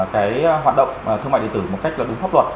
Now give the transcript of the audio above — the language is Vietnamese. cái hoạt động thương mại điện tử một cách là đúng pháp luật